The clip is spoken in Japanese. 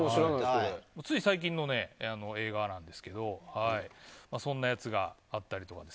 つい最近の映画なんですがそんなやつがあったりとか。